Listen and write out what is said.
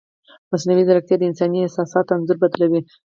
مصنوعي ځیرکتیا د انساني احساساتو انځور بدلوي.